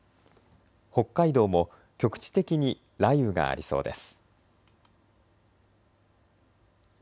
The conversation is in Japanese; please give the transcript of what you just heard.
北海道も局地的に雷雨がありそうです。